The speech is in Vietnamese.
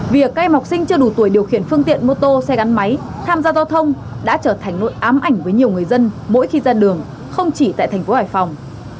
việc các em học sinh chưa đủ tuổi điều khiển phương tiện mô tô xe gắn máy tham gia giao thông đã trở thành nội ám ảnh với nhiều người dân mỗi khi ra đường không chỉ tại thành phố hải phòng